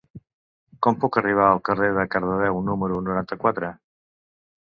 Com puc arribar al carrer de Cardedeu número noranta-quatre?